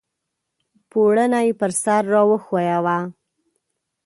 پوړنی پر سر را وښویوه !